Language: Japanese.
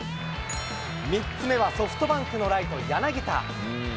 ３つ目はソフトバンクのライト、柳田。